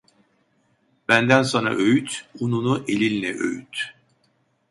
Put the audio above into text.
Benden sana öğüt, ununu elinle öğüt.